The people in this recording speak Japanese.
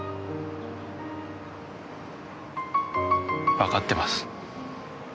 わかってます。